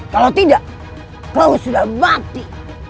kalau tidak kau sudah mati